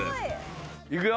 いくよ？